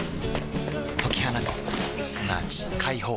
解き放つすなわち解放